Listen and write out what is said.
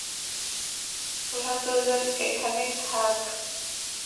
তোরা দুজন এখানে থাক।